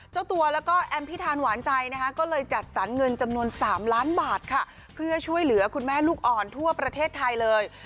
เจ้าตัวแล้วก็แอมพิธานหวานใจนะคะก็เลยจัดสรรเงินจำนวน๓ล้านบาทค่ะเพื่อช่วยเหลือคุณแม่ลูกอ่อนทั่วประเทศไทยเลย